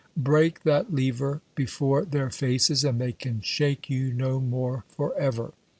Break that lever before their faces, and they can shake you no more for ever.